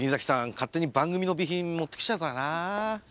勝手に番組の備品持ってきちゃうからな。